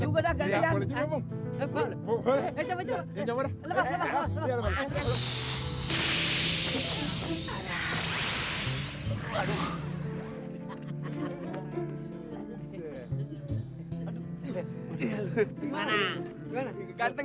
boleh juga dah gantian